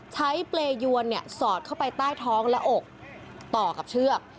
เปรยวนสอดเข้าไปใต้ท้องและอกต่อกับเชือก